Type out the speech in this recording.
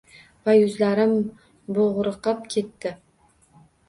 Va yuzlarim bo’g’riqib ketdi.